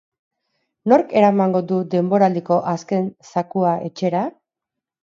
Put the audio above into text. Nork eramango du denboraldiko azken zakua etxera?